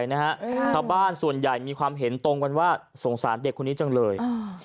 นะฮะชาวบ้านส่วนใหญ่มีความเห็นตรงกันว่าสงสารเด็กคนนี้จังเลยอ่า